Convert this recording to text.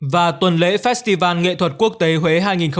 và tuần lễ festival nghệ thuật quốc tế huế hai nghìn hai mươi bốn